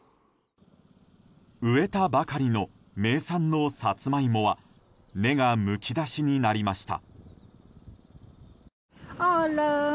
植えたばかりの名産のサツマイモは根がむき出しになりました。